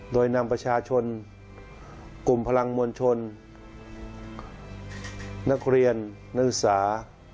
โดยนำประชาชนกลุ่มพลังมวลชนนักเรียนนักศึกษา